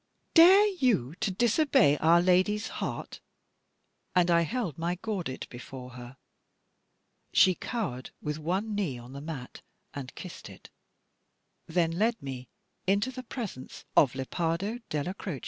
"Dare you to disobey Our Lady's heart?" And I held my gordit before her. She cowered with one knee on the mat and kissed it; then led me into the presence of Lepardo Della Croce.